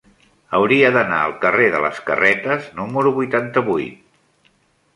Hauria d'anar al carrer de les Carretes número vuitanta-vuit.